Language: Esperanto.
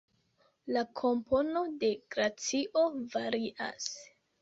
La kompono de glacio varias.